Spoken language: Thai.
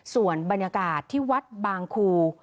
ส่วนบรรยากาศที่วัดบางคู